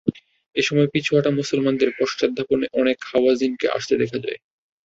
এ সময় পিছু হঁটা মুসলমানদের পশ্চাদ্ধাবনে অনেক হাওয়াযিনকে আসতে দেখা যায়।